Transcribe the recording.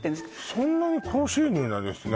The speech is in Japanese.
そんなに高収入なんですね